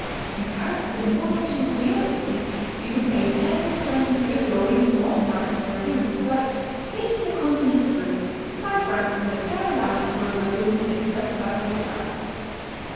In Paris and one or two of the other cities you can pay 10, 20, 30 or even more francs for a room, but taking the Continent through, 5 francs is a fair allowance for a good room in a first class hotel.